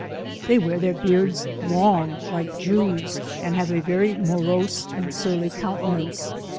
They wear their beards long like Jews, and have a very morose and surly countenace.